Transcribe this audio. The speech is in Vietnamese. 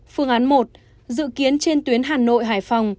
phương án một dự kiến trên tuyến hà nội hải phòng